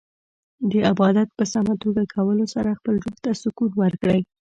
د عبادت په سمه توګه کولو سره خپل روح ته سکون ورکړئ.